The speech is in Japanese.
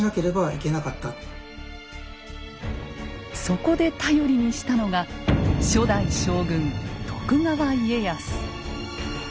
そこで頼りにしたのが初代将軍徳川家康。